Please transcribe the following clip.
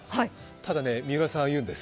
ただね、三浦さんは言うんです。